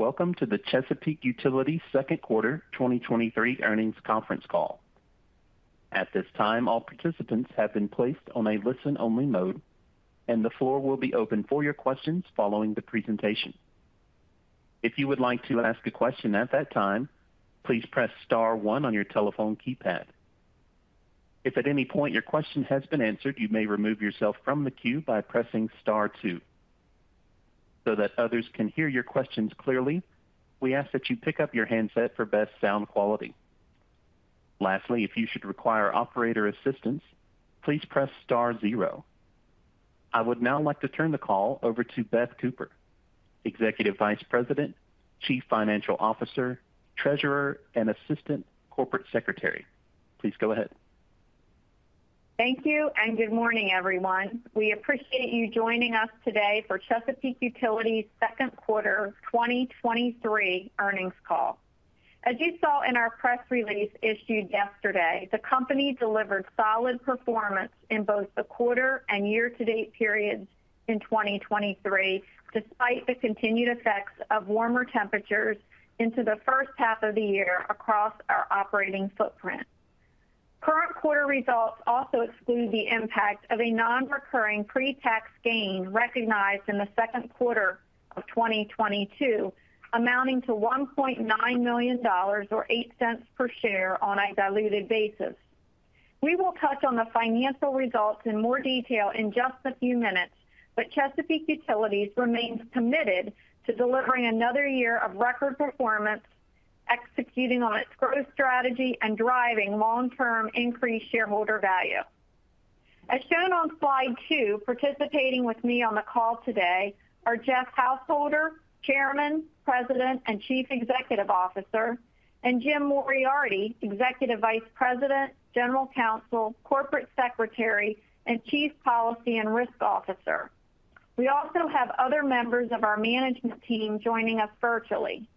Welcome to the Chesapeake Utilities second quarter 2023 earnings conference call. At this time, all participants have been placed on a listen-only mode, and the floor will be open for your questions following the presentation. If you would like to ask a question at that time, please press star one on your telephone keypad. If at any point your question has been answered, you may remove yourself from the queue by pressing star two. So that others can hear your questions clearly, we ask that you pick up your handset for best sound quality. Lastly, if you should require operator assistance, please press star zero. I would now like to turn the call over to Beth Cooper, Executive Vice President, Chief Financial Officer, Treasurer, and Assistant Corporate Secretary. Please go ahead. Thank you. Good morning, everyone. We appreciate you joining us today for Chesapeake Utilities' second quarter 2023 earnings call. As you saw in our press release issued yesterday, the company delivered solid performance in both the quarter and year-to-date periods in 2023, despite the continued effects of warmer temperatures into the first half of the year across our operating footprint. Current quarter results also exclude the impact of a non-recurring pre-tax gain recognized in the second quarter of 2022, amounting to $1.9 million or $0.08 per share on a diluted basis. We will touch on the financial results in more detail in just a few minutes. Chesapeake Utilities remains committed to delivering another year of record performance, executing on its growth strategy, and driving long-term increased shareholder value. As shown on slide two, participating with me on the call today are Jeff Householder, Chairman, President, and Chief Executive Officer, and Jim Moriarty, Executive Vice President, General Counsel, Corporate Secretary, and Chief Policy and Risk Officer. We also have other members of our management team joining us virtually.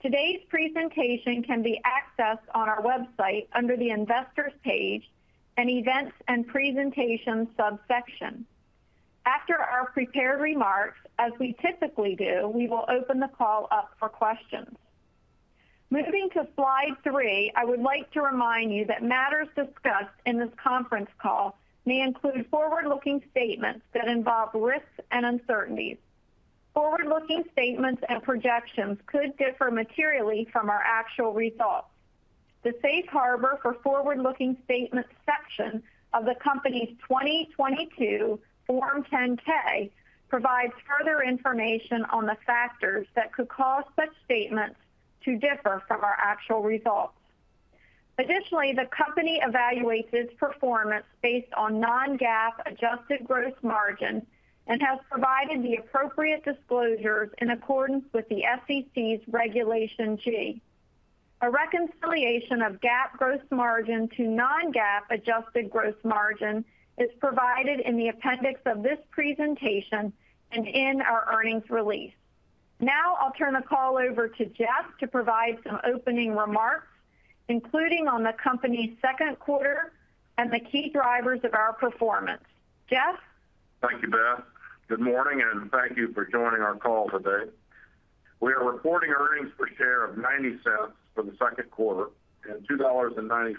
Today's presentation can be accessed on our website under the Investors page and Events and Presentations subsection. After our prepared remarks, as we typically do, we will open the call up for questions. Moving to slide three, I would like to remind you that matters discussed in this conference call may include forward-looking statements that involve risks and uncertainties. Forward-looking statements and projections could differ materially from our actual results. The Safe Harbor for Forward-Looking Statements section of the Company's 2022 Form 10-K provides further information on the factors that could cause such statements to differ from our actual results. Additionally, the company evaluates its performance based on non-GAAP adjusted gross margin and has provided the appropriate disclosures in accordance with the SEC's Regulation G. A reconciliation of GAAP gross margin to non-GAAP adjusted gross margin is provided in the appendix of this presentation and in our earnings release. Now, I'll turn the call over to Jeff to provide some opening remarks, including on the company's second quarter and the key drivers of our performance. Jeff? Thank you, Beth. Good morning, and thank you for joining our call today. We are reporting earnings per share of $0.90 for the second quarter and $2.94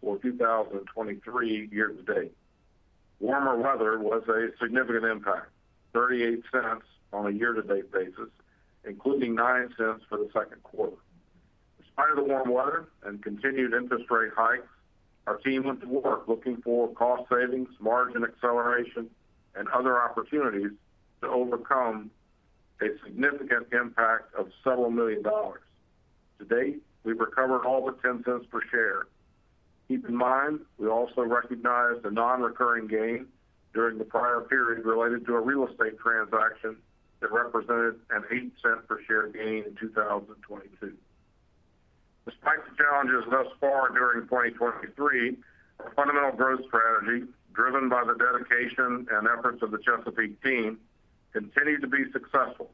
for 2023 year-to-date. Warmer weather was a significant impact, $0.38 on a year-to-date basis, including $0.09 for the second quarter. Despite the warm weather and continued interest rate hikes, our team went to work looking for cost savings, margin acceleration, and other opportunities to overcome a significant impact of $several million. To date, we've recovered all but $0.10 per share. Keep in mind, we also recognized a non-recurring gain during the prior period related to a real estate transaction that represented an $0.08 per share gain in 2022. Despite the challenges thus far during 2023, our fundamental growth strategy, driven by the dedication and efforts of the Chesapeake team, continued to be successful.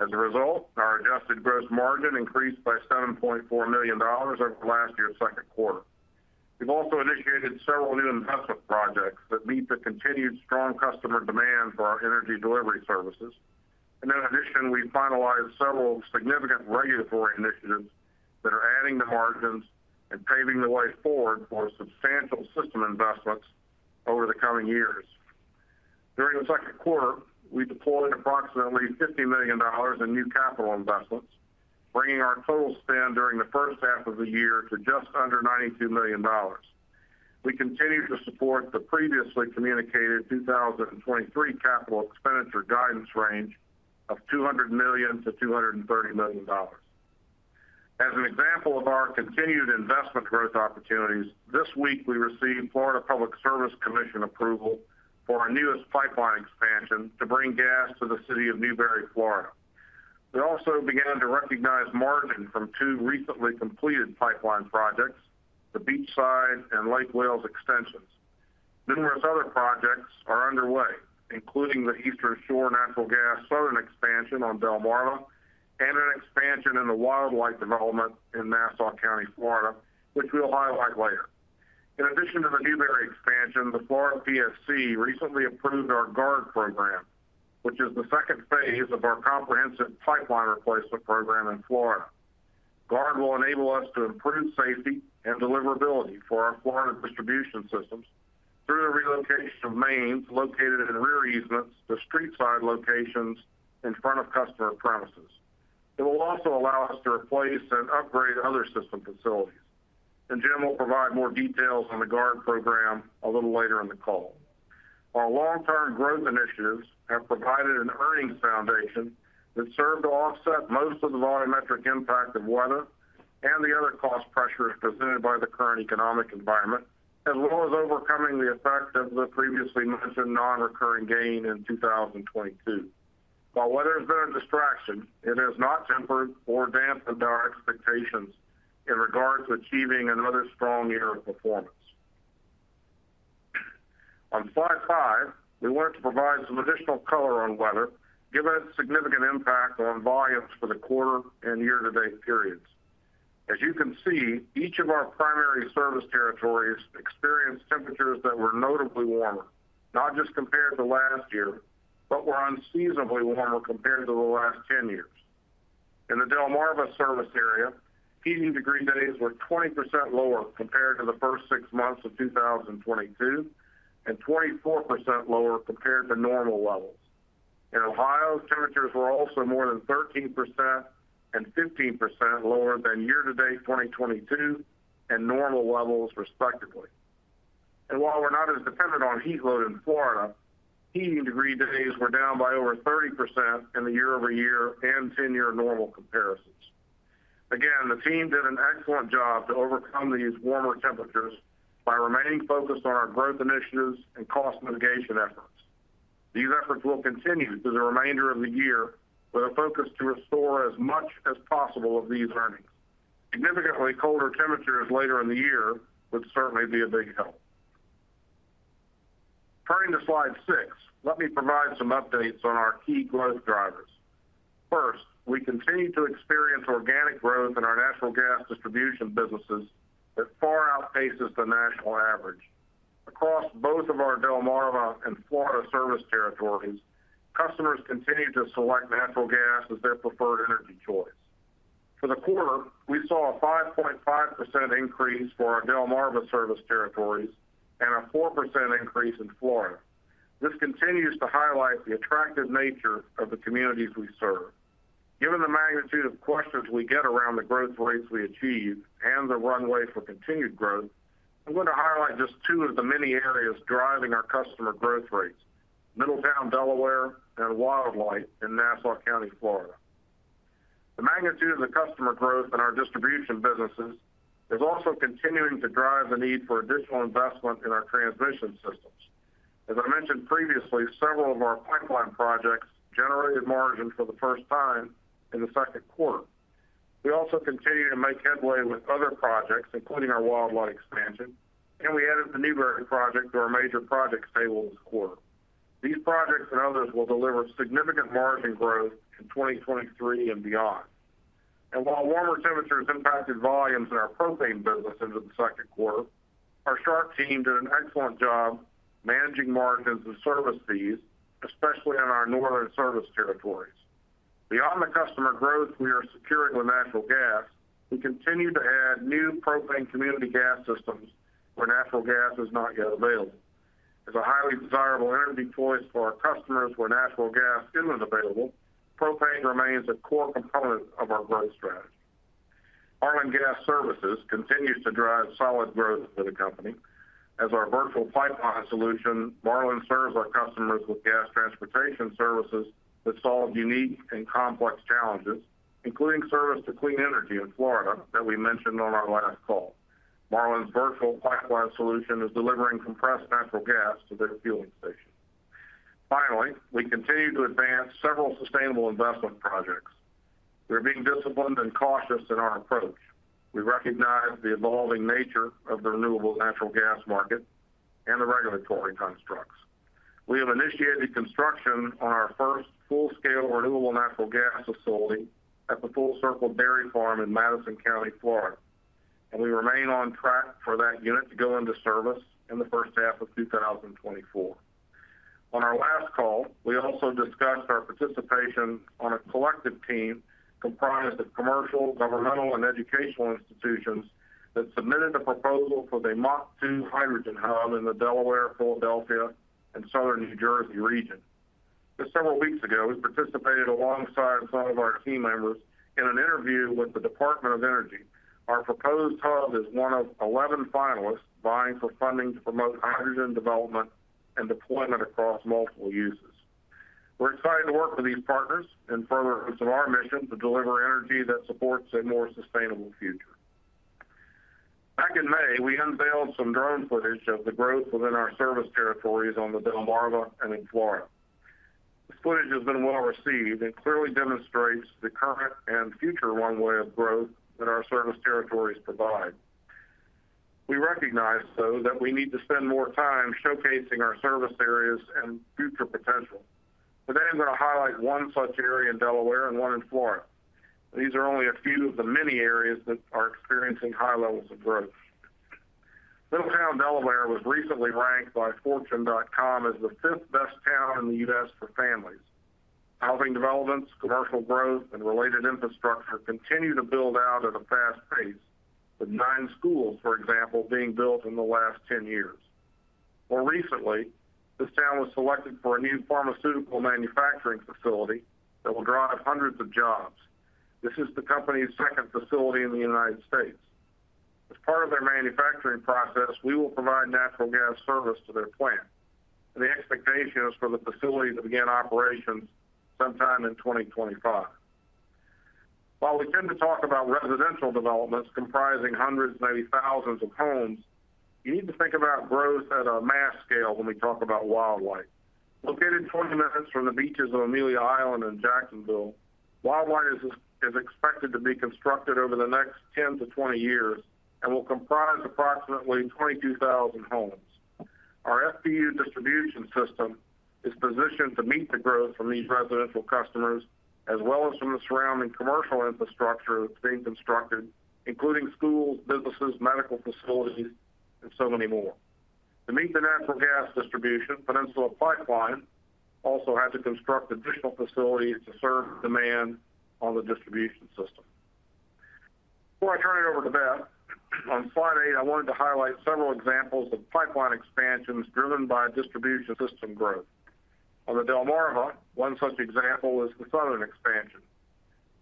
As a result, our adjusted gross margin increased by $7.4 million over last year's second quarter. We've also initiated several new investment projects that meet the continued strong customer demand for our energy delivery services. In addition, we finalized several significant regulatory initiatives that are adding to margins and paving the way forward for substantial system investments over the coming years. During the second quarter, we deployed approximately $50 million in new capital investments, bringing our total spend during the first half of the year to just under $92 million. We continue to support the previously communicated 2023 capital expenditure guidance range of $200 million-$230 million. As an example of our continued investment growth opportunities, this week we received Florida Public Service Commission approval for our newest pipeline expansion to bring gas to the city of Newberry, Florida. We also began to recognize margin from two recently completed pipeline projects, the Beachside and Lake Wales extensions. Numerous other projects are underway, including the Eastern Shore Natural Gas Southern Expansion on Delmarva, an expansion in the Wildlight Development in Nassau County, Florida, which we'll highlight later. In addition to the Newberry expansion, the Florida PSC recently approved our GUARD program, which is the second phase of our comprehensive pipeline replacement program in Florida. GUARD will enable us to improve safety and deliverability for our Florida distribution systems through the relocation of mains located in rear easements to street side locations in front of customer premises. It will also allow us to replace and upgrade other system facilities. Jim will provide more details on the GUARD program a little later in the call. Our long-term growth initiatives have provided an earnings foundation that served to offset most of the volumetric impact of weather and the other cost pressures presented by the current economic environment, as well as overcoming the effect of the previously mentioned non-recurring gain in 2022. While weather has been a distraction, it has not tempered or dampened our expectations in regards to achieving another strong year of performance. On slide five, we want to provide some additional color on weather, given its significant impact on volumes for the quarter and year-to-date periods. As you can see, each of our primary service territories experienced temperatures that were notably warmer, not just compared to last year, but were unseasonably warmer compared to the last 10 years. In the Delmarva service area, heating degree days were 20% lower compared to the first six months of 2022, and 24% lower compared to normal levels. In Ohio, temperatures were also more than 13% and 15% lower than year-to-date 2022 and normal levels, respectively. While we're not as dependent on heat load in Florida, heating degree days were down by over 30% in the year-over-year and 10-year normal comparisons. Again, the team did an excellent job to overcome these warmer temperatures by remaining focused on our growth initiatives and cost mitigation efforts. These efforts will continue through the remainder of the year with a focus to restore as much as possible of these earnings. Significantly colder temperatures later in the year would certainly be a big help. Turning to slide six, let me provide some updates on our key growth drivers. First, we continue to experience organic growth in our natural gas distribution businesses that far outpaces the national average. Across both of our Delmarva and Florida service territories, customers continue to select natural gas as their preferred energy choice. For the quarter, we saw a 5.5% increase for our Delmarva service territories and a 4% increase in Florida. This continues to highlight the attractive nature of the communities we serve. Given the magnitude of questions we get around the growth rates we achieve and the runway for continued growth, I'm going to highlight just two of the many areas driving our customer growth rates: Middletown, Delaware, and Wildlight in Nassau County, Florida. The magnitude of the customer growth in our distribution businesses is also continuing to drive the need for additional investment in our transmission systems. As I mentioned previously, several of our pipeline projects generated margin for the first time in the second quarter. We also continue to make headway with other projects, including our Wildlight expansion, and we added the Newberry project to our major project stable this quarter. These projects and others will deliver significant margin growth in 2023 and beyond. While warmer temperatures impacted volumes in our propane businesses in the second quarter, our SHARC team did an excellent job managing margins and service fees, especially in our northern service territories. Beyond the customer growth we are securing with natural gas, we continue to add new propane Community Gas Systems where natural gas is not yet available. As a highly desirable energy choice for our customers where natural gas isn't available, propane remains a core component of our growth strategy. Marlin Gas Services continues to drive solid growth for the company. As our virtual pipeline solution, Marlin serves our customers with gas transportation services that solve unique and complex challenges, including service to Clean Energy in Florida that we mentioned on our last call. Marlin's virtual pipeline solution is delivering compressed natural gas to their fueling stations. Finally, we continue to advance several sustainable investment projects. We're being disciplined and cautious in our approach. We recognize the evolving nature of the renewable natural gas market and the regulatory constructs. We have initiated construction on our first full-scale renewable natural gas facility at the Full Circle Dairy Farm in Madison County, Florida, and we remain on track for that unit to go into service in the first half of 2024. On our last call, we also discussed our participation on a collective team comprised of commercial, governmental, and educational institutions that submitted a proposal for the MACH2 Hydrogen Hub in the Delaware, Philadelphia, and Southern New Jersey region. Just several weeks ago, we participated alongside some of our team members in an interview with the Department of Energy. Our proposed hub is one of 11 finalists vying for funding to promote hydrogen development and deployment across multiple uses. We're excited to work with these partners in furtherance of our mission to deliver energy that supports a more sustainable future. Back in May, we unveiled some drone footage of the growth within our service territories on the Delmarva and in Florida. This footage has been well received and clearly demonstrates the current and future runway of growth that our service territories provide. We recognize, though, that we need to spend more time showcasing our service areas and future potential. Today, I'm going to highlight one such area in Delaware and one in Florida. These are only a few of the many areas that are experiencing high levels of growth. Middletown, Delaware, was recently ranked by fortune.com as the fifth best town in the U.S. for families. Housing developments, commercial growth, and related infrastructure continue to build out at a fast pace, with nine schools, for example, being built in the last 10 years. More recently, this town was selected for a new pharmaceutical manufacturing facility that will drive hundreds of jobs. This is the company's second facility in the United States. As part of their manufacturing process, we will provide natural gas service to their plant, and the expectation is for the facility to begin operations sometime in 2025. While we tend to talk about residential developments comprising hundreds, maybe thousands of homes, you need to think about growth at a mass scale when we talk about Wildlight. Located 20 minutes from the beaches of Amelia Island in Jacksonville, Wildlight is expected to be constructed over the next 10-20 years and will comprise approximately 22,000 homes. Our FPU distribution system is positioned to meet the growth from these residential customers, as well as from the surrounding commercial infrastructure that's being constructed, including schools, businesses, medical facilities, and so many more. To meet the natural gas distribution, Peninsula Pipeline also had to construct additional facilities to serve demand on the distribution system. Before I turn it over to Beth, on slide eight, I wanted to highlight several examples of pipeline expansions driven by distribution system growth. On the Delmarva, one such example is the Southern Expansion.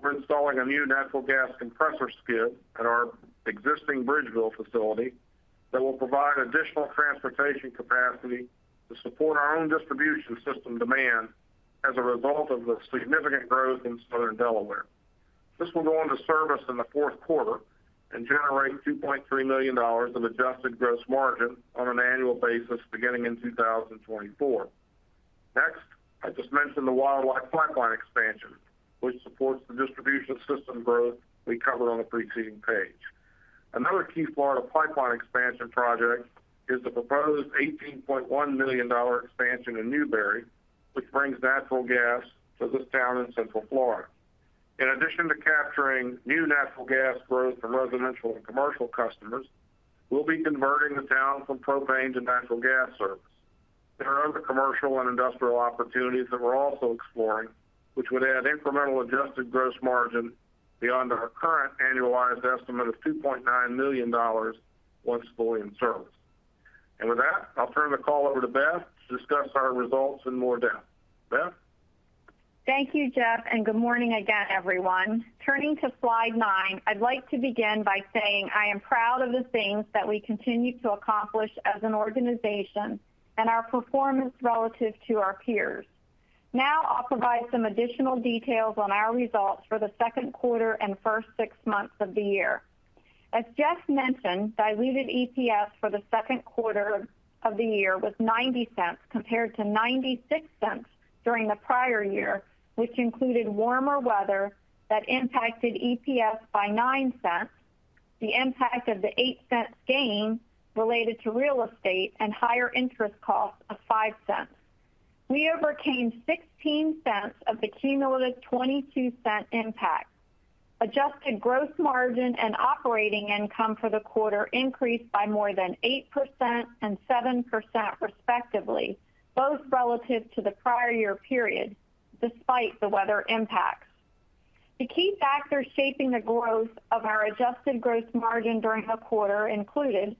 We're installing a new natural gas compressor skid at our existing Bridgeville facility that will provide additional transportation capacity to support our own distribution system demand as a result of the significant growth in southern Delaware. This will go into service in the fourth quarter and generate $2.3 million of adjusted gross margin on an annual basis beginning in 2024. Next, I just mentioned the Wildlight pipeline expansion, which supports the distribution system growth we covered on the preceding page. Another key Florida pipeline expansion project is the proposed $18.1 million expansion in Newberry, which brings natural gas to this town in central Florida. In addition to capturing new natural gas growth from residential and commercial customers, we'll be converting the town from propane to natural gas service. There are other commercial and industrial opportunities that we're also exploring, which would add incremental adjusted gross margin beyond our current annualized estimate of $2.9 million once fully in service. With that, I'll turn the call over to Beth to discuss our results in more depth. Beth? Thank you, Jeff. Good morning again, everyone. Turning to slide nine, I'd like to begin by saying I am proud of the things that we continue to accomplish as an organization and our performance relative to our peers. Now, I'll provide some additional details on our results for the second quarter and first six months of the year. As Jeff mentioned, diluted EPS for the second quarter of the year was $0.90, compared to $0.96 during the prior year, which included warmer weather that impacted EPS by $0.09, the impact of the $0.08 gain related to real estate, and higher interest costs of $0.05. We overcame $0.16 of the cumulative $0.22 impact. Adjusted gross margin and operating income for the quarter increased by more than 8% and 7%, respectively, both relative to the prior year period, despite the weather impacts. The key factors shaping the growth of our adjusted gross margin during the quarter included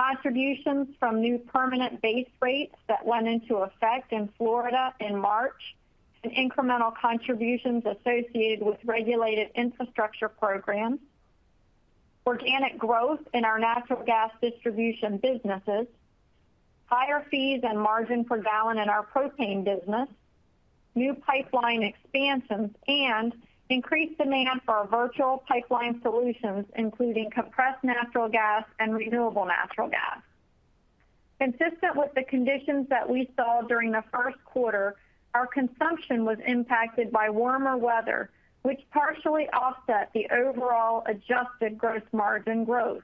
contributions from new permanent base rates that went into effect in Florida in March, incremental contributions associated with regulated infrastructure programs, organic growth in our natural gas distribution businesses, higher fees and margin per gallon in our propane business, new pipeline expansions, and increased demand for our virtual pipeline solutions, including compressed natural gas and renewable natural gas. Consistent with the conditions that we saw during the first quarter, our consumption was impacted by warmer weather, which partially offset the overall adjusted gross margin growth.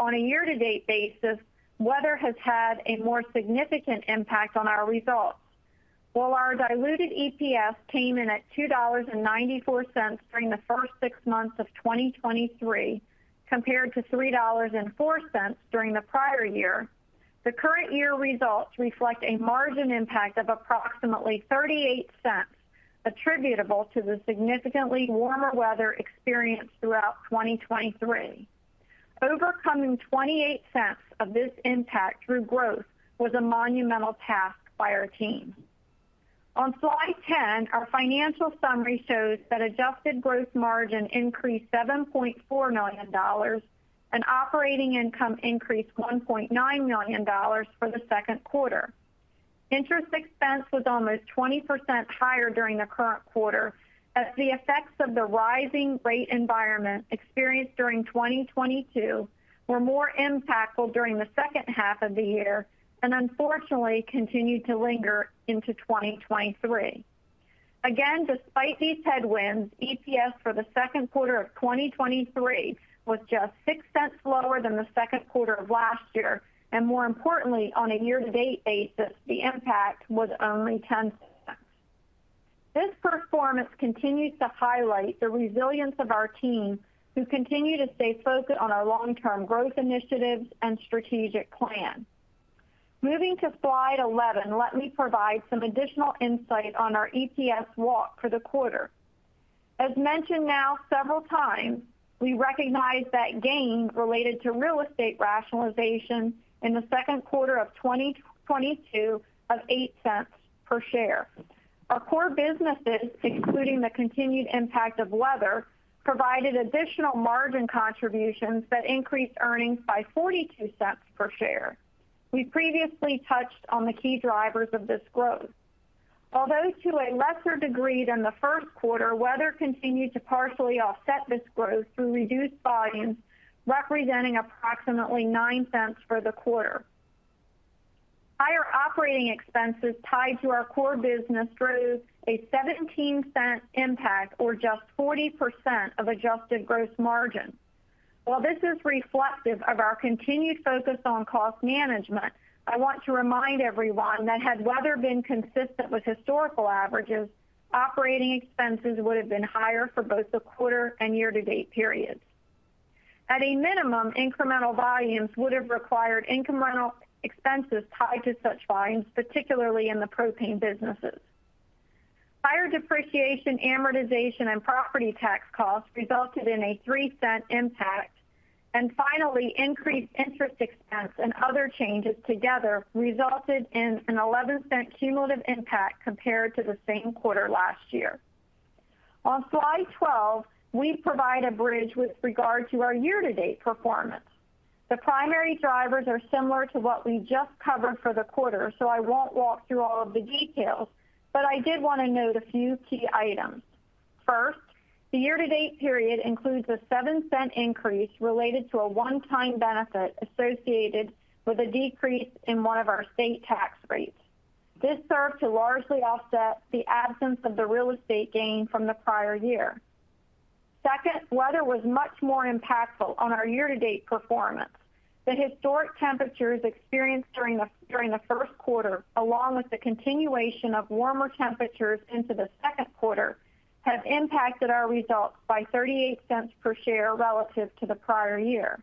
On a year-to-date basis, weather has had a more significant impact on our results. While our diluted EPS came in at $2.94 during the first six months of 2023, compared to $3.04 during the prior year, the current year results reflect a margin impact of approximately $0.38, attributable to the significantly warmer weather experienced throughout 2023. Overcoming $0.28 of this impact through growth was a monumental task by our team. On slide 10, our financial summary shows that adjusted gross margin increased $7.4 million, and operating income increased $1.9 million for the second quarter. Interest expense was almost 20% higher during the current quarter, as the effects of the rising rate environment experienced during 2022 were more impactful during the second half of the year and unfortunately continued to linger into 2023. Again, despite these headwinds, EPS for the second quarter of 2023 was just $0.06 lower than the second quarter of last year, and more importantly, on a year-to-date basis, the impact was only $0.10. This performance continues to highlight the resilience of our team, who continue to stay focused on our long-term growth initiatives and strategic plan. Moving to slide 11, let me provide some additional insight on our EPS walk for the quarter. As mentioned now several times, we recognize that gain related to real estate rationalization in the second quarter of 2022 of $0.08 per share. Our core businesses, excluding the continued impact of weather, provided additional margin contributions that increased earnings by $0.42 per share. We previously touched on the key drivers of this growth. Although to a lesser degree than the first quarter, weather continued to partially offset this growth through reduced volumes, representing approximately $0.09 for the quarter. Higher operating expenses tied to our core business drove a $0.17 impact, or just 40% of adjusted gross margin. While this is reflective of our continued focus on cost management, I want to remind everyone that had weather been consistent with historical averages, operating expenses would have been higher for both the quarter and year-to-date periods. At a minimum, incremental volumes would have required incremental expenses tied to such volumes, particularly in the propane businesses. Higher depreciation, amortization, and property tax costs resulted in a $0.03 impact. Finally, increased interest expense and other changes together resulted in an $0.11 cumulative impact compared to the same quarter last year. On slide 12, we provide a bridge with regard to our year-to-date performance. The primary drivers are similar to what we just covered for the quarter, so I won't walk through all of the details, but I did want to note a few key items. First, the year-to-date period includes a $0.07 increase related to a one-time benefit associated with a decrease in one of our state tax rates. This served to largely offset the absence of the real estate gain from the prior year. Second, weather was much more impactful on our year-to-date performance. The historic temperatures experienced during the first quarter, along with the continuation of warmer temperatures into the second quarter, have impacted our results by $0.38 per share relative to the prior year.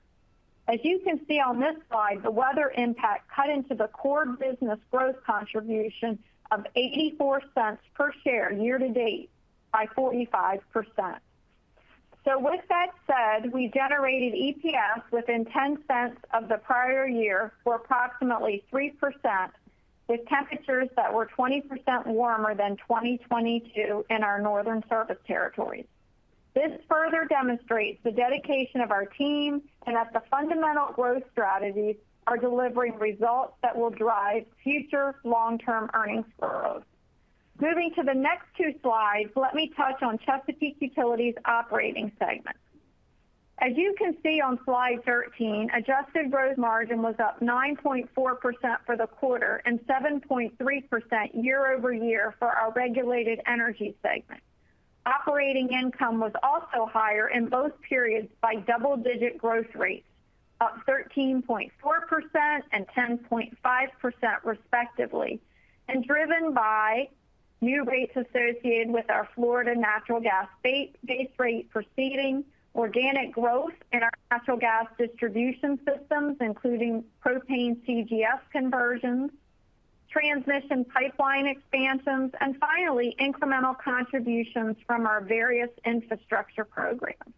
As you can see on this slide, the weather impact cut into the core business growth contribution of $0.84 per share year-to-date by 45%. With that said, we generated EPS within $0.10 of the prior year for approximately 3%, with temperatures that were 20% warmer than 2022 in our northern service territories. This further demonstrates the dedication of our team and that the fundamental growth strategies are delivering results that will drive future long-term earnings growth. Moving to the next two slides, let me touch on Chesapeake Utilities' operating segment. As you can see on slide 13, adjusted gross margin was up 9.4% for the quarter and 7.3% year-over-year for our regulated energy segment. Operating income was also higher in both periods by double-digit growth rates, up 13.4% and 10.5% respectively, and driven by new rates associated with our Florida natural gas base rate proceeding, organic growth in our natural gas distribution systems, including propane CGS conversions, transmission pipeline expansions, and finally, incremental contributions from our various infrastructure programs.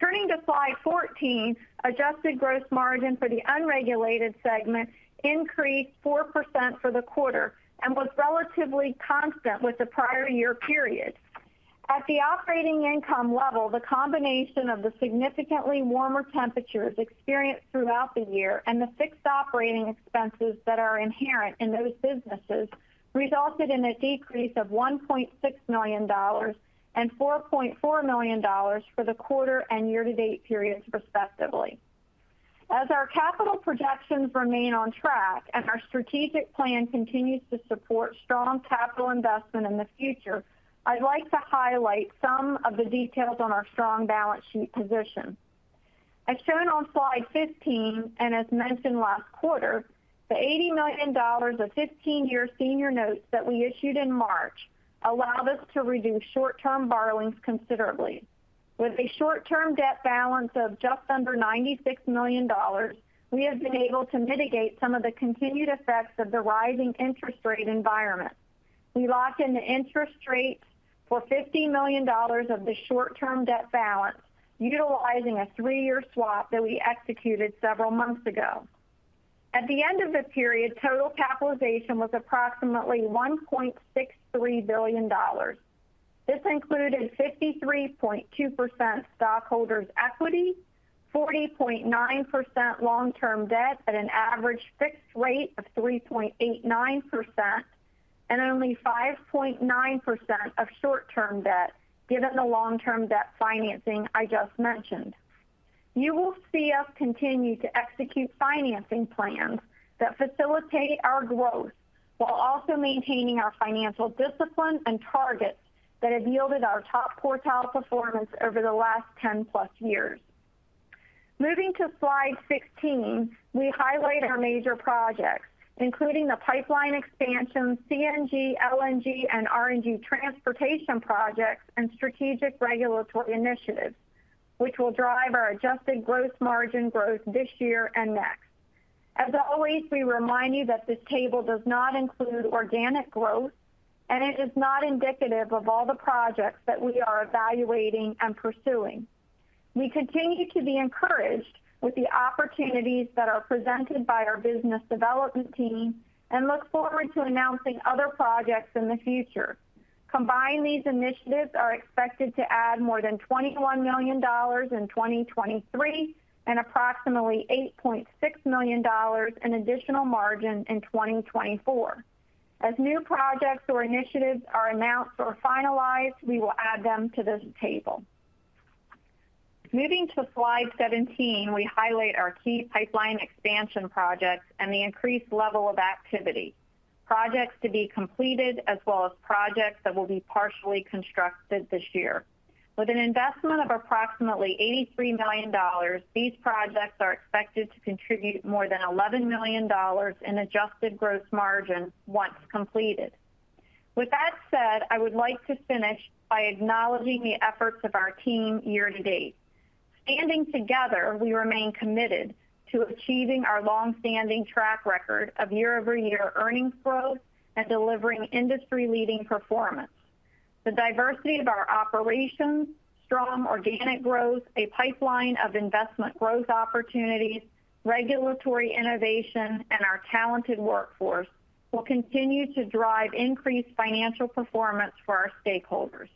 Turning to slide 14, adjusted gross margin for the unregulated segment increased 4% for the quarter and was relatively constant with the prior year period. At the operating income level, the combination of the significantly warmer temperatures experienced throughout the year and the fixed operating expenses that are inherent in those businesses resulted in a decrease of $1.6 million and $4.4 million for the quarter and year-to-date periods, respectively. As our capital projections remain on track and our strategic plan continues to support strong capital investment in the future, I'd like to highlight some of the details on our strong balance sheet position. As shown on slide 15, and as mentioned last quarter, the $80 million of 15-year senior notes that we issued in March allowed us to reduce short-term borrowings considerably. With a short-term debt balance of just under $96 million, we have been able to mitigate some of the continued effects of the rising interest rate environment. We locked in the interest rates for $50 million of the short-term debt balance, utilizing a three-year swap that we executed several months ago. At the end of the period, total capitalization was approximately $1.63 billion. This included 53.2% stockholders' equity, 40.9% long-term debt at an average fixed rate of 3.89%, and only 5.9% of short-term debt, given the long-term debt financing I just mentioned. You will see us continue to execute financing plans that facilitate our growth, while also maintaining our financial discipline and targets that have yielded our top quartile performance over the last 10+ years. Moving to slide 16, we highlight our major projects, including the pipeline expansion, CNG, LNG, and RNG transportation projects, strategic regulatory initiatives, which will drive our adjusted gross margin growth this year and next. As always, we remind you that this table does not include organic growth, it is not indicative of all the projects that we are evaluating and pursuing. We continue to be encouraged with the opportunities that are presented by our business development team and look forward to announcing other projects in the future. Combined, these initiatives are expected to add more than $21 million in 2023, and approximately $8.6 million in additional margin in 2024. As new projects or initiatives are announced or finalized, we will add them to this table. Moving to slide 17, we highlight our key pipeline expansion projects and the increased level of activity. Projects to be completed, as well as projects that will be partially constructed this year. With an investment of approximately $83 million, these projects are expected to contribute more than $11 million in adjusted gross margin once completed. With that said, I would like to finish by acknowledging the efforts of our team year-to-date. Standing together, we remain committed to achieving our long-standing track record of year-over-year earnings growth and delivering industry-leading performance. The diversity of our operations, strong organic growth, a pipeline of investment growth opportunities, regulatory innovation, and our talented workforce will continue to drive increased financial performance for our stakeholders.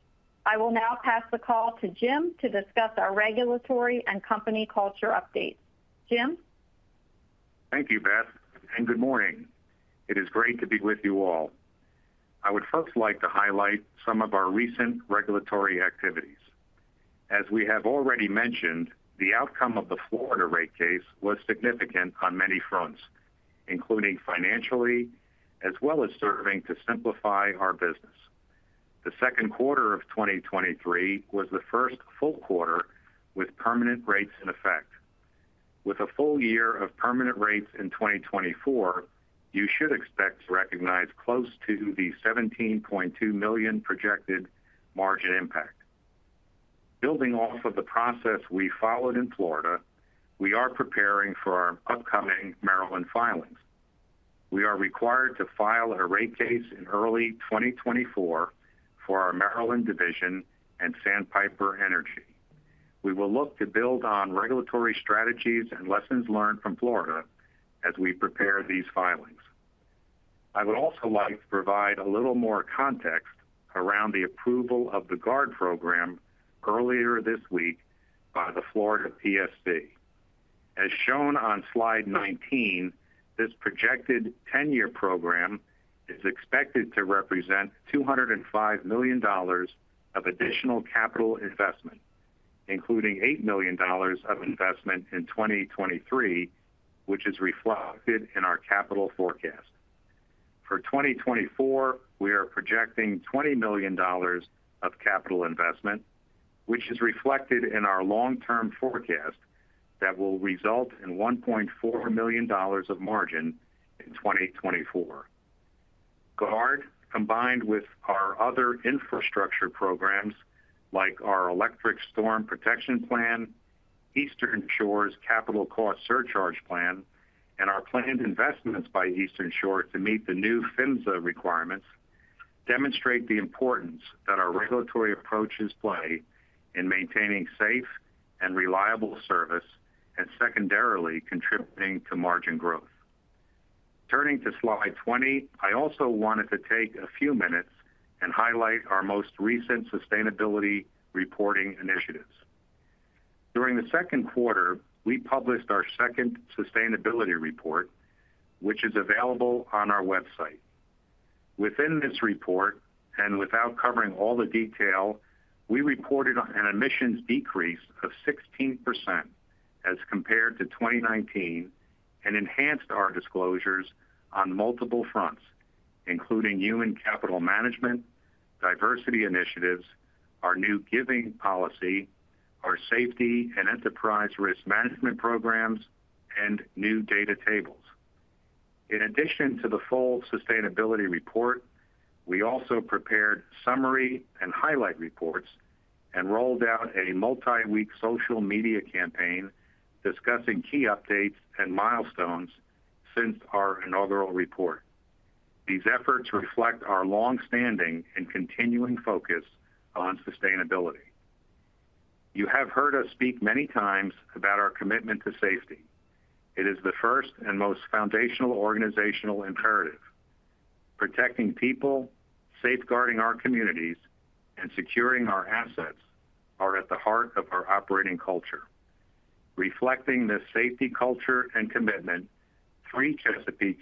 I will now pass the call to Jim to discuss our regulatory and company culture updates. Jim? Thank you, Beth. Good morning. It is great to be with you all. I would first like to highlight some of our recent regulatory activities. As we have already mentioned, the outcome of the Florida rate case was significant on many fronts, including financially, as well as serving to simplify our business. The second quarter of 2023 was the first full quarter with permanent rates in effect. With a full year of permanent rates in 2024, you should expect to recognize close to the $17.2 million projected margin impact. Building off of the process we followed in Florida, we are preparing for our upcoming Maryland filings. We are required to file a rate case in early 2024 for our Maryland Division and Sandpiper Energy. We will look to build on regulatory strategies and lessons learned from Florida as we prepare these filings. I would also like to provide a little more context around the approval of the GUARD program earlier this week by the Florida PSC. As shown on slide 19, this projected 10-year program is expected to represent $205 million of additional capital investment, including $8 million of investment in 2023, which is reflected in our capital forecast. For 2024, we are projecting $20 million of capital investment, which is reflected in our long-term forecast that will result in $1.4 million of margin in 2024. GUARD, combined with our other infrastructure programs, like our Electric Storm Protection Plan, Eastern Shore's Capital Cost Surcharge Plan, and our planned investments by Eastern Shore to meet the new PHMSA requirements, demonstrate the importance that our regulatory approaches play in maintaining safe and reliable service, and secondarily, contributing to margin growth. Turning to slide 20, I also wanted to take a few minutes and highlight our most recent sustainability reporting initiatives. During the second quarter, we published our second sustainability report, which is available on our website. Within this report, and without covering all the detail, we reported on an emissions decrease of 16% as compared to 2019, enhanced our disclosures on multiple fronts, including human capital management, diversity initiatives, our new giving policy, our safety and enterprise risk management programs, and new data tables. In addition to the full sustainability report, we also prepared summary and highlight reports and rolled out a multi-week social media campaign discussing key updates and milestones since our inaugural report. These efforts reflect our long-standing and continuing focus on sustainability. You have heard us speak many times about our commitment to safety. It is the first and most foundational organizational imperative. Protecting people, safeguarding our communities, and securing our assets are at the heart of our operating culture. Reflecting this safety culture and commitment-... Three Chesapeake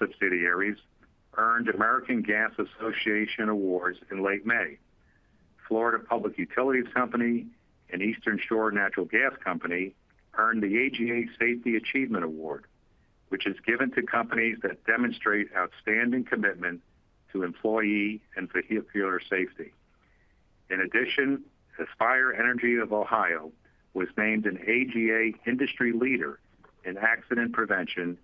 subsidiaries earned American Gas Association awards in late May. Florida Public Utilities Company and Eastern Shore Natural Gas Company earned the AGA Safety Achievement Award, which is given to companies that demonstrate outstanding commitment to employee and vehicular safety. In addition, Aspire Energy of Ohio was named an AGA industry leader in accident prevention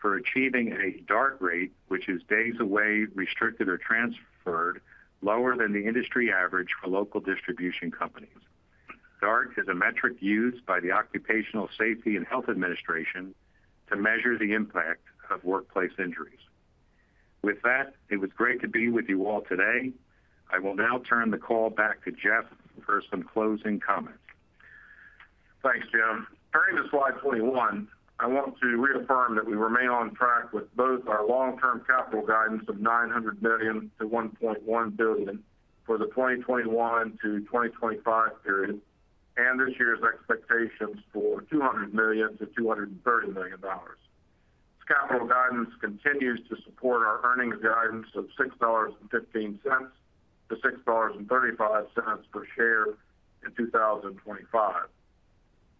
for achieving a DART rate, which is days away, restricted, or transferred, lower than the industry average for local distribution companies. DART is a metric used by the Occupational Safety and Health Administration to measure the impact of workplace injuries. With that, it was great to be with you all today. I will now turn the call back to Jeff for some closing comments. Thanks, Jim. Turning to slide 21, I want to reaffirm that we remain on track with both our long-term capital guidance of $900 million-$1.1 billion for the 2021-2025 period, and this year's expectations for $200 million-$230 million. This capital guidance continues to support our earnings guidance of $6.15-$6.35 per share in 2025.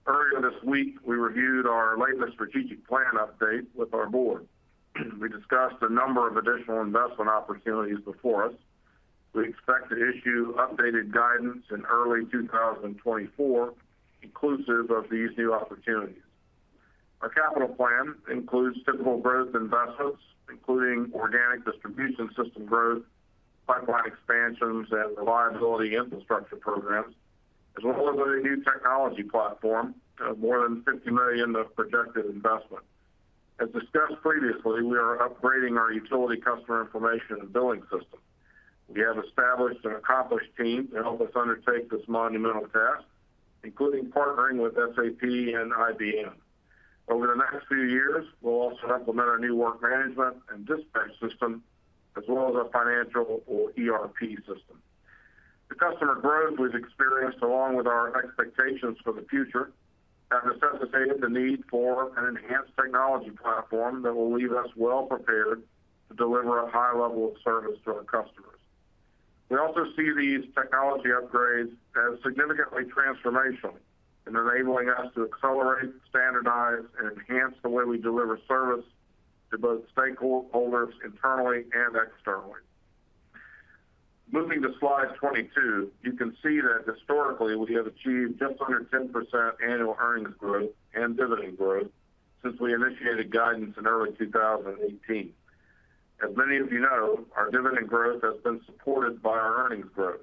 Earlier this week, we reviewed our latest strategic plan update with our board. We discussed a number of additional investment opportunities before us. We expect to issue updated guidance in early 2024, inclusive of these new opportunities. Our capital plan includes typical growth investments, including organic distribution system growth, pipeline expansions, and reliability infrastructure programs, as well as a new technology platform of more than $50 million of projected investment. As discussed previously, we are upgrading our utility customer information and billing system. We have established an accomplished team to help us undertake this monumental task, including partnering with SAP and IBM. Over the next few years, we'll also implement our new work management and dispatch system, as well as our financial or ERP system. The customer growth we've experienced, along with our expectations for the future, have necessitated the need for an enhanced technology platform that will leave us well-prepared to deliver a high level of service to our customers. We also see these technology upgrades as significantly transformational in enabling us to accelerate, standardize, and enhance the way we deliver service to both stakeholders internally and externally. Moving to slide 22, you can see that historically, we have achieved just under 10% annual earnings growth and dividend growth since we initiated guidance in early 2018. As many of you know, our dividend growth has been supported by our earnings growth.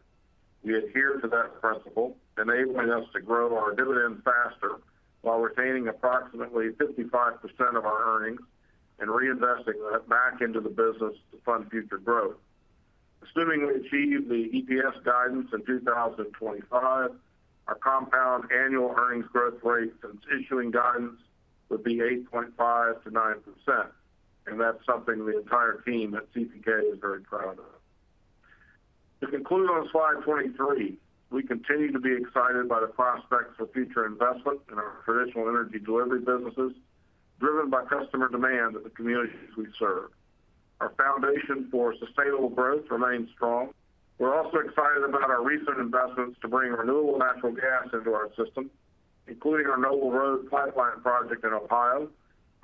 We adhere to that principle, enabling us to grow our dividend faster while retaining approximately 55% of our earnings and reinvesting that back into the business to fund future growth. Assuming we achieve the EPS guidance in 2025, our compound annual earnings growth rate since issuing guidance would be 8.5%-9%, and that's something the entire team at CPK is very proud of. To conclude on slide 23, we continue to be excited by the prospects for future investment in our traditional energy delivery businesses, driven by customer demand in the communities we serve. Our foundation for sustainable growth remains strong. We're also excited about our recent investments to bring renewable natural gas into our system, including our Noble Road pipeline project in Ohio,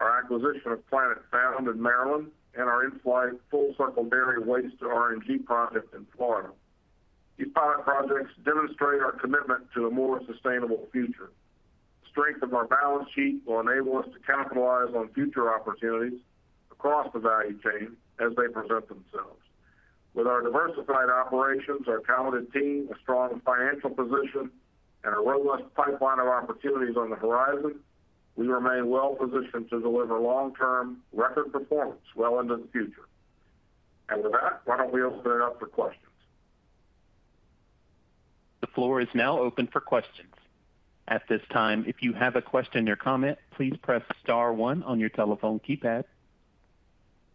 our acquisition of Planet Found in Maryland, and our in-flight Full Circle Dairy waste-to-RNG project in Florida. These pilot projects demonstrate our commitment to a more sustainable future. The strength of our balance sheet will enable us to capitalize on future opportunities across the value chain as they present themselves. With our diversified operations, our talented team, a strong financial position, and a robust pipeline of opportunities on the horizon, we remain well-positioned to deliver long-term record performance well into the future. With that, why don't we open it up for questions? The floor is now open for questions. At this time, if you have a question or comment, please press star one on your telephone keypad.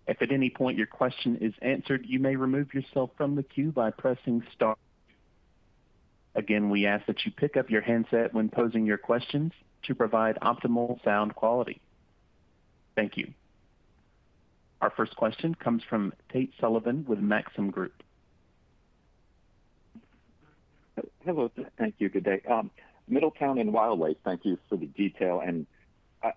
If at any point your question is answered, you may remove yourself from the queue by pressing star. Again, we ask that you pick up your handset when posing your questions to provide optimal sound quality. Thank you. Our first question comes from Tate Sullivan with Maxim Group. Hello, thank you. Good day. Middletown and Wildlight thank you for the detail and,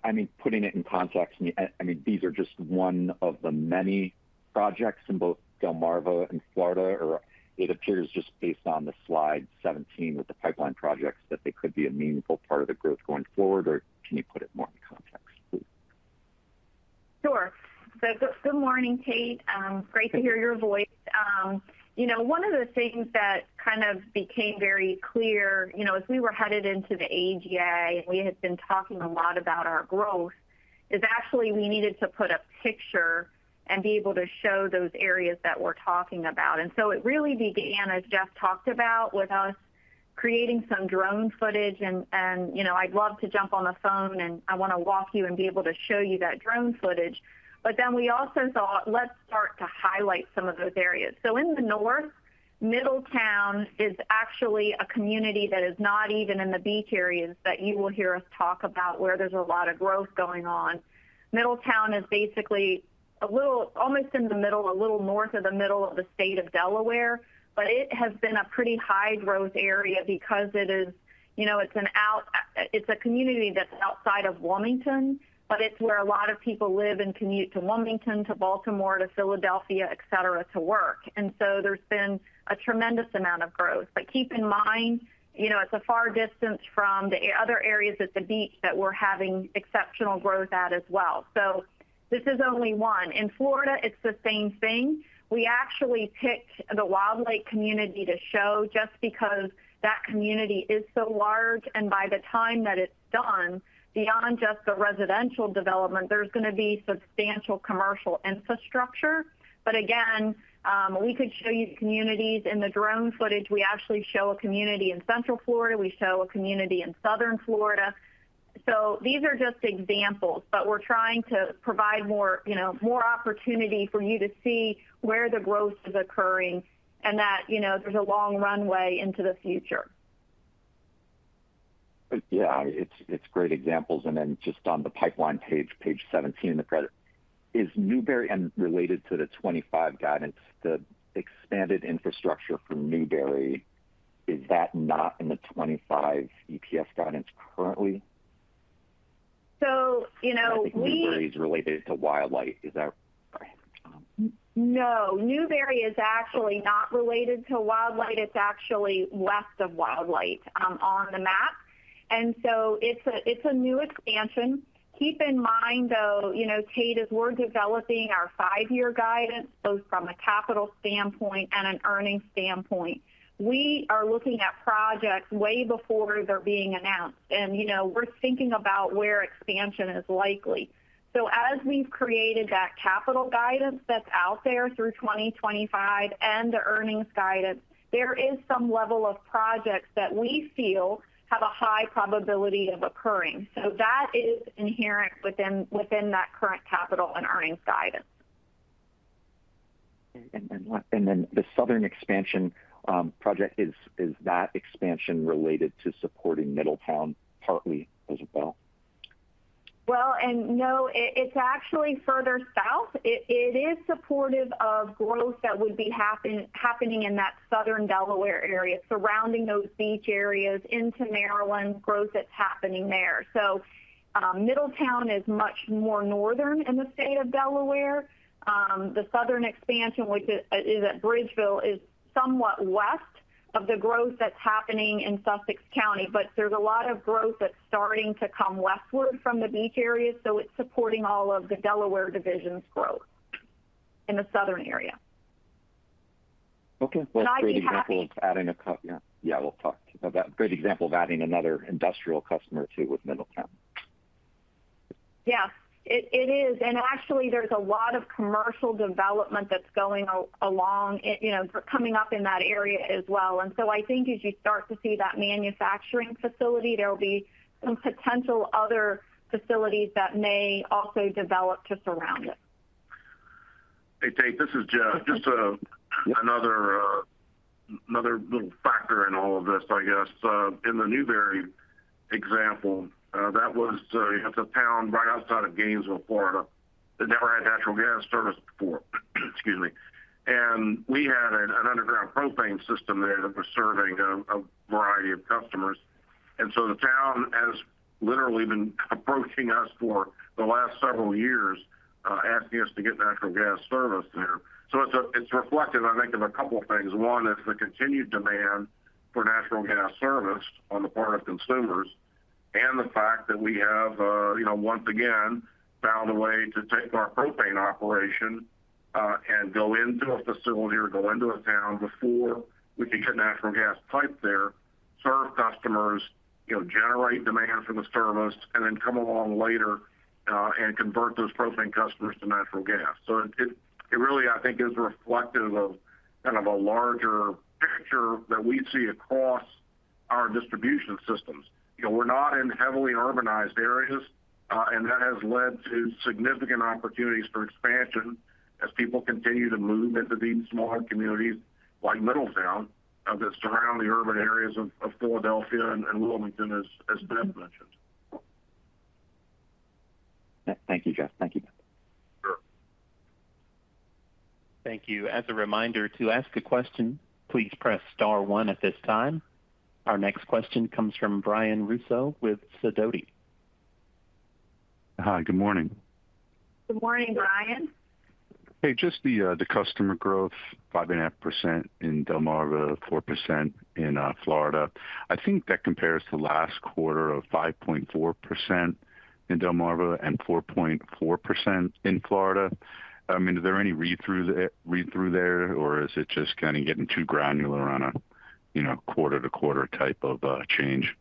I mean, putting it in context, I mean, these are just one of the many projects in both Delmarva and Florida. It appears just based on the slide 17, with the pipeline projects, that they could be a meaningful part of the growth going forward. Can you put it more in context, please? Sure. Good morning, Tate. Great to hear your voice. You know, one of the things that kind of became very clear, you know, as we were headed into the AGA, and we had been talking a lot about our growth, is actually we needed to put a picture and be able to show those areas that we're talking about. It really began, as Jeff talked about, with us creating some drone footage and, and, you know, I'd love to jump on the phone and I want to walk you and be able to show you that drone footage. Then we also thought, let's start to highlight some of those areas. In the north-... Middletown is actually a community that is not even in the beach areas that you will hear us talk about, where there's a lot of growth going on. Middletown is basically a little, almost in the middle, a little north of the middle of the state of Delaware, but it has been a pretty high-growth area because it is, you know, it's a community that's outside of Wilmington, but it's where a lot of people live and commute to Wilmington, to Baltimore, to Philadelphia, et cetera, to work. There's been a tremendous amount of growth. Keep in mind, you know, it's a far distance from the other areas at the beach that we're having exceptional growth at as well. This is only one. In Florida, it's the same thing. We actually picked the Wildlight community to show just because that community is so large, and by the time that it's done, beyond just the residential development, there's going to be substantial commercial infrastructure. Again, we could show you communities. In the drone footage, we actually show a community in Central Florida. We show a community in Southern Florida. These are just examples, but we're trying to provide more, you know, more opportunity for you to see where the growth is occurring and that, you know, there's a long runway into the future. Yeah, it's, it's great examples. Then just on the pipeline page, page 17, the credit. Is Newberry and related to the 25 guidance, the expanded infrastructure for Newberry, is that not in the 25 EPS guidance currently? You know. I think Newberry is related to Wildlight. Is that correct? No, Newberry is actually not related to Wildlight. It's actually west of Wildlight on the map, and so it's a new expansion. Keep in mind, though, you know, Tate, as we're developing our five-year guidance, both from a capital standpoint and an earnings standpoint, we are looking at projects way before they're being announced, and, you know, we're thinking about where expansion is likely. As we've created that capital guidance that's out there through 2025 and the earnings guidance, there is some level of projects that we feel have a high probability of occurring. That is inherent within that current capital and earnings guidance. And then, and then the Southern Expansion project, is, is that expansion related to supporting Middletown partly as well? No, it's actually further south. It is supportive of growth that would be happening in that southern Delaware area, surrounding those beach areas into Maryland, growth that's happening there. Middletown is much more northern in the state of Delaware. The Southern Expansion, which is at Bridgeville, is somewhat west of the growth that's happening in Sussex County, but there's a lot of growth that's starting to come westward from the beach areas, so it's supporting all of the Delaware division's growth in the southern area. Okay, well, great example of adding. Yeah, yeah, we'll talk. Great example of adding another industrial customer, too, with Middletown. Yeah, it, it is. Actually, there's a lot of commercial development that's going along, you know, coming up in that area as well. So I think as you start to see that manufacturing facility, there will be some potential other facilities that may also develop to surround it. Hey, Tate, this is Jeff. Just, another, another little factor in all of this, I guess. In the Newberry example, that was, it's a town right outside of Gainesville, Florida, that never had natural gas service before. Excuse me. We had an, an underground propane system there that was serving a, a variety of customers. The town has literally been approaching us for the last several years, asking us to get natural gas service there. It's, it's reflective, I think, of a couple of things. One is the continued demand for natural gas service on the part of consumers, and the fact that we have, you know, once again, found a way to take our propane operation, and go into a facility or go into a town before we can get natural gas pipe there, serve customers, you know, generate demand for the service, and then come along later, and convert those propane customers to natural gas. It, it really, I think, is reflective of kind of a larger picture that we see across our distribution systems. You know, we're not in heavily urbanized areas, and that has led to significant opportunities for expansion as people continue to move into these smaller communities like Middletown, that surround the urban areas of, of Philadelphia and Wilmington, as, as Beth mentioned. Thank you, Jeff. Thank you. Sure. Thank you. As a reminder, to ask a question, please press star one at this time. Our next question comes from Brian Russo with Sidoti. Hi, good morning. Good morning, Brian. Hey, just the customer growth, 5.5% in Delmarva, 4% in Florida. I think that compares to last quarter of 5.4% in Delmarva and 4.4% in Florida. I mean, is there any read-through there, read-through there, or is it just kind of getting too granular on a, you know, quarter-to-quarter type of change?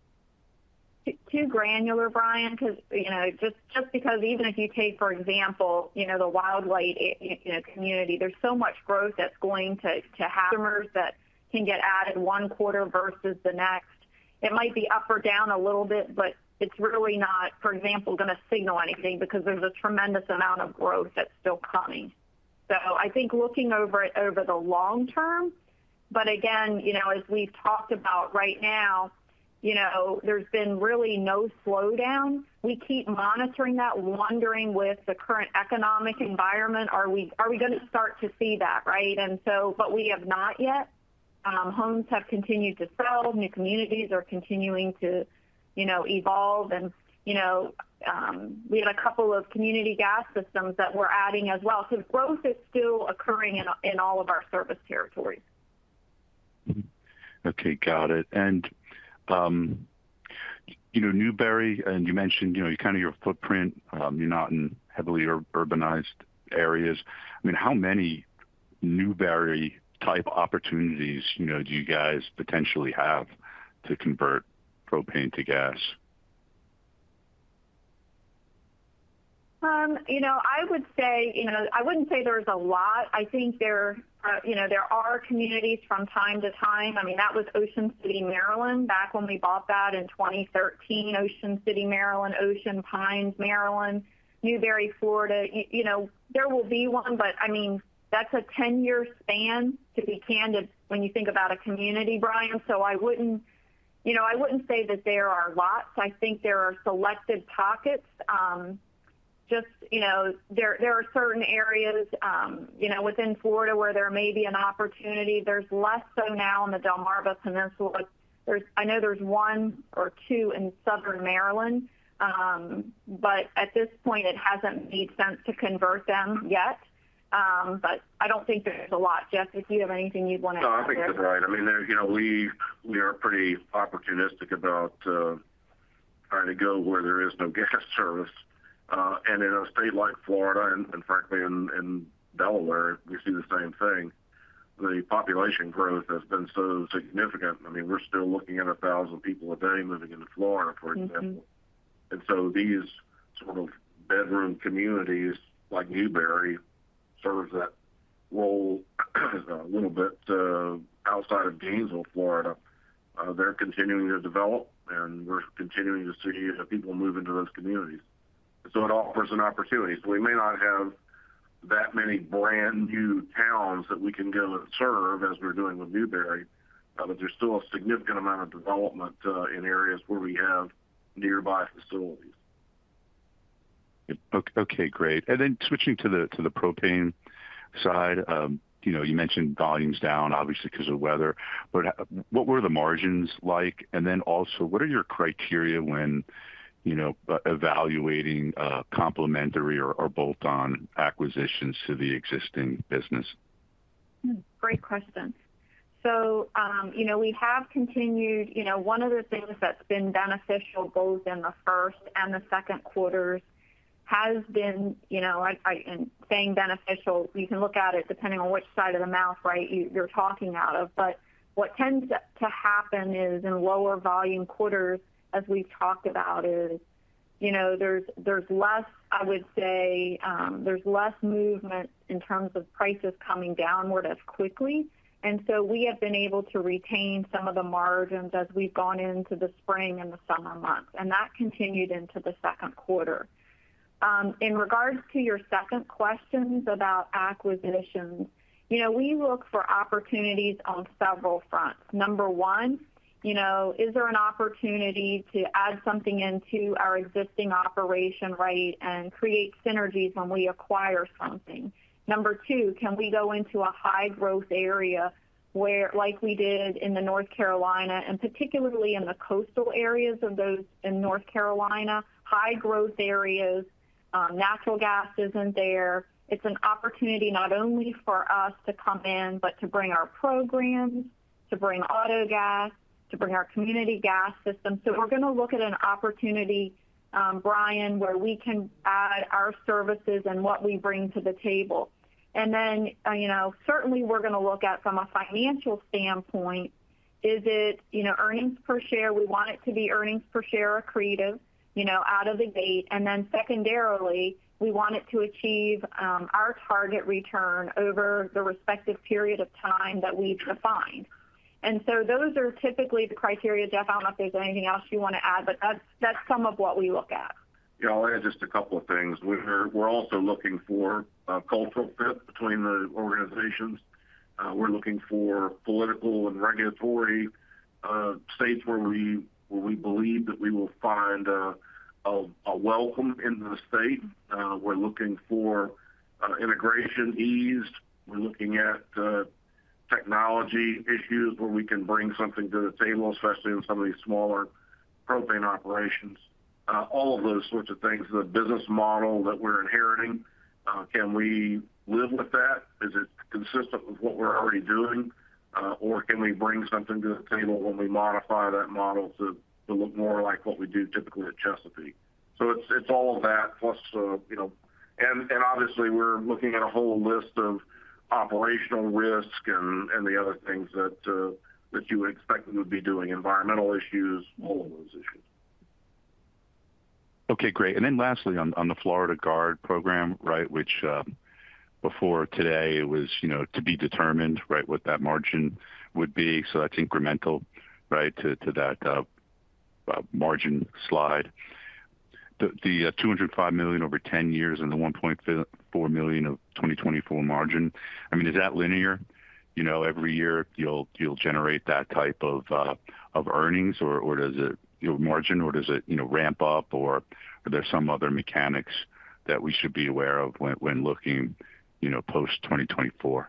Too granular, Brian, because, you know, just, just because even if you take, for example, you know, the Wildlight, you know, community, there's so much growth that's going to, to customers that can get added one quarter versus the next. It might be up or down a little bit, but it's really not, for example, going to signal anything because there's a tremendous amount of growth that's still coming. I think looking over it over the long term, but again, you know, as we've talked about right now, you know, there's been really no slowdown. We keep monitoring that, wondering with the current economic environment, are we, are we going to start to see that, right? We have not yet. Homes have continued to sell. New communities are continuing to, you know, evolve and, you know, we have a couple of Community Gas Systems that we're adding as well. Growth is still occurring in, in all of our service territories. Okay, got it. You know, Newberry, and you mentioned, you know, kind of your footprint, you're not in heavily urbanized areas. I mean, how many Newberry-type opportunities, you know, do you guys potentially have to convert propane to gas? You know, I would say, you know, I wouldn't say there's a lot. I think there, you know, there are communities from time to time. I mean, that was Ocean City, Maryland, back when we bought that in 2013. Ocean City, Maryland, Ocean Pines, Maryland, Newberry, Florida. You know, there will be one, but, I mean, that's a 10-year span, to be candid, when you think about a community, Brian. I wouldn't, you know, I wouldn't say that there are lots. I think there are selective pockets. Just, you know, there, there are certain areas, you know, within Florida where there may be an opportunity. There's less so now in the Delmarva Peninsula. I know there's one or two in southern Maryland, but at this point, it hasn't made sense to convert them yet. But I don't think there's a lot. Jeff, if you have anything you'd want to add there. No, I think that's right. I mean, you know, we, we are pretty opportunistic about trying to go where there is no gas service. In a state like Florida, and frankly, in, in Delaware, we see the same thing. The population growth has been so significant. I mean, we're still looking at 1,000 people a day moving into Florida, for example. Mm-hmm. These sort of bedroom communities, like Newberry, serves that role a little bit outside of Gainesville, Florida. They're continuing to develop, and we're continuing to see people move into those communities. It offers an opportunity. We may not have that many brand-new towns that we can go and serve as we're doing with Newberry, but there's still a significant amount of development in areas where we have nearby facilities. Okay, great. Switching to the, to the propane side, you know, you mentioned volume's down, obviously, because of weather. What were the margins like? Also, what are your criteria when, you know, evaluating, complementary or bolt-on acquisitions to the existing business? Great question. You know, we have continued-- you know, one of the things that's been beneficial both in the first and the second quarters has been, you know, I, I-- saying beneficial, you can look at it depending on which side of the mouth, right, you're talking out of. What tends to, to happen is in lower volume quarters, as we've talked about, is, you know, there's, there's less, I would say, there's less movement in terms of prices coming downward as quickly. We have been able to retain some of the margins as we've gone into the spring and the summer months, and that continued into the second quarter. In regards to your second questions about acquisitions, you know, we look for opportunities on several fronts. Number one, you know, is there an opportunity to add something into our existing operation, right, and create synergies when we acquire something? Number 2, can we go into a high-growth area where, like we did in North Carolina, and particularly in the coastal areas of those in North Carolina, high growth areas, natural gas isn't there. It's an opportunity not only for us to come in, but to bring our programs, to bring AutoGas, to bring our Community Gas Systems. We're going to look at an opportunity, Brian, where we can add our services and what we bring to the table. Then, you know, certainly we're going to look at, from a financial standpoint, is it, you know, earnings per share? We want it to be earnings per share accretive, you know, out of the gate. Secondarily, we want it to achieve our target return over the respective period of time that we've defined. Those are typically the criteria. Jeff, I don't know if there's anything else you want to add, but that's, that's some of what we look at. Yeah, I'll add just a couple of things. We're, we're also looking for a cultural fit between the organizations. We're looking for political and regulatory states where we, where we believe that we will find a, a welcome in the state. We're looking for integration ease. We're looking at technology issues where we can bring something to the table, especially in some of these smaller propane operations. All of those sorts of things. The business model that we're inheriting, can we live with that? Is it consistent with what we're already doing? Or can we bring something to the table when we modify that model to, to look more like what we do typically at Chesapeake? It's, it's all of that, plus, you know... Obviously, we're looking at a whole list of operational risks and, and the other things that, that you would expect them to be doing, environmental issues, all of those issues. Okay, great. Lastly, on, on the Florida GUARD program, right, which, before today it was, you know, to be determined, right, what that margin would be. That's incremental, right, to, to that, margin slide. The, the, $205 million over 10 years and the $1.4 million of 2024 margin, I mean, is that linear? You know, every year you'll, you'll generate that type of, of earnings or, margin, or does it, you know, ramp up, or are there some other mechanics that we should be aware of when, when looking, you know, post-2024?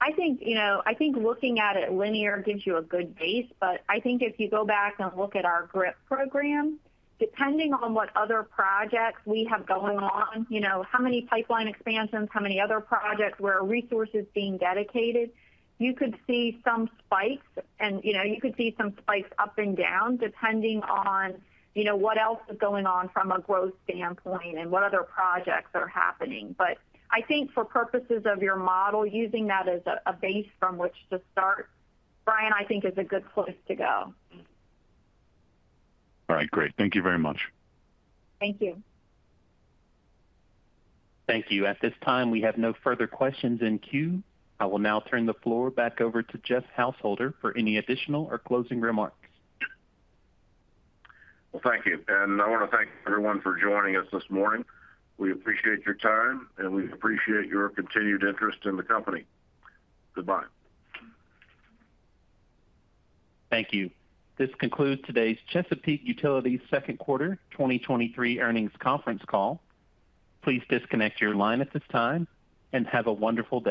I think, you know, I think looking at it linear gives you a good base, but I think if you go back and look at our GRIP program, depending on what other projects we have going on, you know, how many pipeline expansions, how many other projects where our resources are being dedicated, you could see some spikes and, you know, you could see some spikes up and down, depending on, you know, what else is going on from a growth standpoint and what other projects are happening. I think for purposes of your model, using that as a base from which to start, Brian, I think is a good place to go. All right, great. Thank you very much. Thank you. Thank you. At this time, we have no further questions in queue. I will now turn the floor back over to Jeff Householder for any additional or closing remarks. Well, thank you. I want to thank everyone for joining us this morning. We appreciate your time, and we appreciate your continued interest in the company. Goodbye. Thank you. This concludes today's Chesapeake Utilities second quarter 2023 earnings conference call. Please disconnect your line at this time and have a wonderful day.